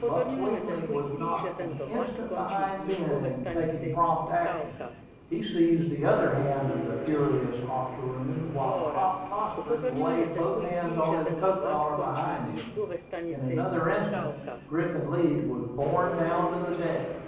Buck Lingley was not an instant behind Ben in taking prompt action. He seized the other hand of the furious octoroon, while Hop Tossford laid both hands on his coat collar behind. In another instant Griffin Leeds was borne down upon the deck.